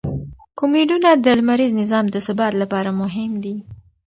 کومیټونه د لمریز نظام د ثبات لپاره مهم دي.